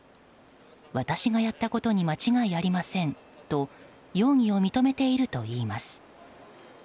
私がやったことに間違いありませんと容疑を認めているといいます。